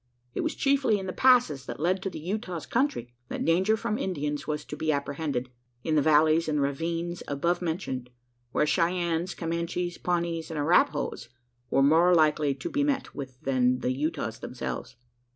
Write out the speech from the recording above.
It was chiefly in the passes that led to the Utahs' country, that danger from Indians was to be apprehended in the valleys and ravines above mentioned where Cheyennes, Comanches, Pawnees, and Arapahoes were more likely to be met with than the Utahs themselves.